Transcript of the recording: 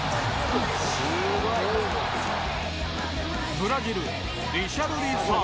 ブラジル、リシャルリソン。